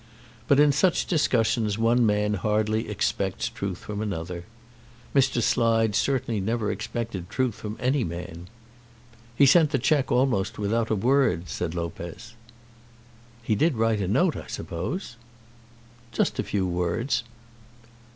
But in such discussions one man hardly expects truth from another. Mr. Slide certainly never expected truth from any man. "He sent the cheque almost without a word," said Lopez. "He did write a note, I suppose?" "Just a few words."